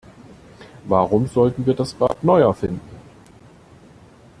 Warum sollten wir das Rad neu erfinden?